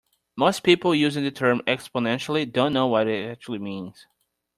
Most people using the term "exponentially" don't know what it actually means.